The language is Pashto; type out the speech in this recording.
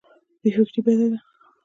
بې فکري بد دی.